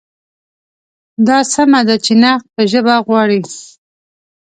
دا سمه ده چې نقد به ژبه غواړي.